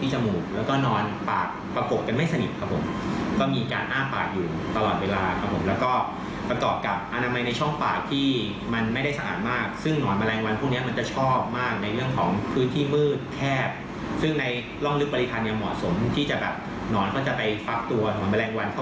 หนอนก็จะไปฟักตัวหนอนแมลงวันเข้าไปวางถันก็ฟักตัวครับ